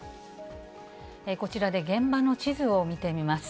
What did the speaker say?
こちらで現場の地図を見てみます。